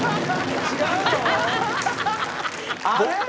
あれ？